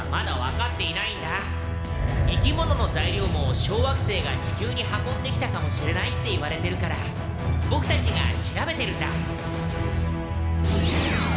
生き物の材料も小惑星が地球に運んできたかもしれないって言われてるからボクたちが調べてるんだ。